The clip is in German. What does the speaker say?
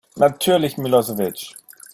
Natürlich Milosevic!